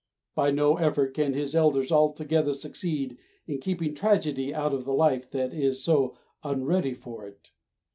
By no effort can his elders altogether succeed in keeping tragedy out of the life that is so unready for it.